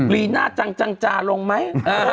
ลีน่าจังจาลงไหม